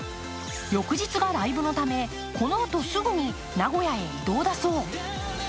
翌日がライブのため、このあとすぐに名古屋へ移動だそう。